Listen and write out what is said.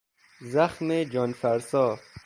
زخم جانفرسا